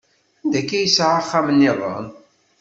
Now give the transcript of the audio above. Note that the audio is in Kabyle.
Anda akka yesɛa axxam nniḍen?